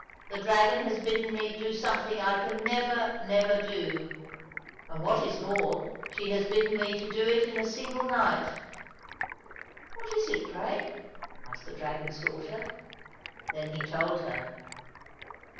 The dragon has bidden me do something I can never, never do ; and what is more, she has bidden me do it in a single night." —" What is it, pray ?" asked the dragon's daughter. Then he told her.